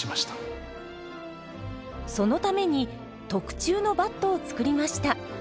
そのために特注のバットを作りました。